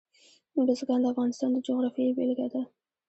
بزګان د افغانستان د جغرافیې بېلګه ده.